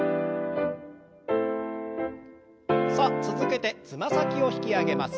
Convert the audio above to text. さあ続けてつま先を引き上げます。